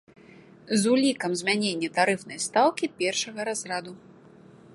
З улікам змянення тарыфнай стаўкі першага разраду.